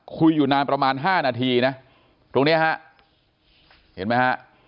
คุยอยู่นานประมาณ๕นาทีนะตรงเนี้ยฮะเห็นไหมฮะ